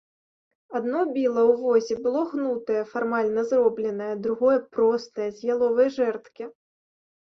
Адно біла ў возе было гнутае, фармальна зробленае, другое простае, з яловай жэрдкі.